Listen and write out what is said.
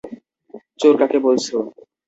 চোর কাকে বলছো?